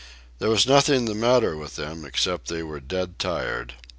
There was nothing the matter with them except that they were dead tired.